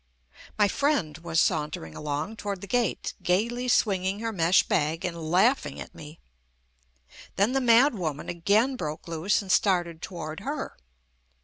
My friend was sauntering along toward the gate, gayly swinging her mesh bag, and laugh ing at me. Then the mad woman again broke loose and started toward her.